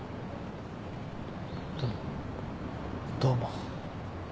どっどうも。